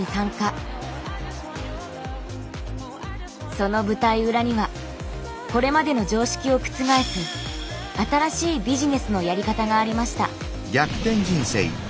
その舞台裏にはこれまでの常識を覆す新しいビジネスのやり方がありました。